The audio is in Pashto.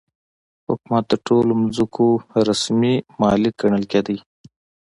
حکومت د ټولو ځمکو رسمي مالک ګڼل کېده.